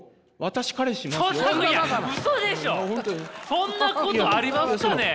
そんなことありますかね？